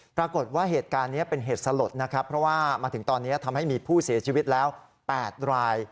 ปรากฏว่าเหตุการณ์นี้เป็นเหตุสลดนะครับเพราะว่ามาถึงตอนนี้ทำให้มีผู้เสียชีวิตแล้ว๘ราย